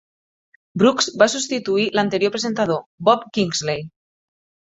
Brooks va substituir l'anterior presentador, Bob Kingsley.